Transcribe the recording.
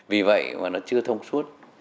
vì vậy mà nó chưa thông suốt